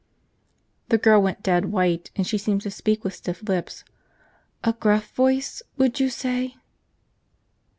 The girl went dead white and she seemed to speak with stiff lips. "A gruff voice, would you say?"